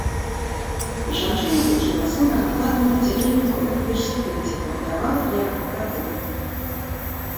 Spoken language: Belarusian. Жанчына вучыла сына на платным аддзяленні ва ўніверсітэце, пабудавала для яго кватэру.